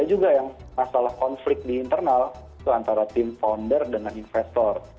ada juga yang masalah konflik di internal itu antara tim founder dengan investor